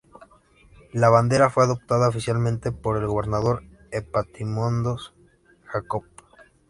La bandera fue adoptada oficialmente por el gobernador Epaminondas Jácome.